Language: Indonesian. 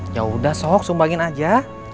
yaudah sok sumbangin aja